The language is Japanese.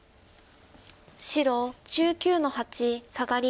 白１９の八サガリ。